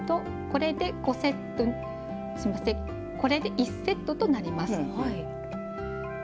これで１セットとなります。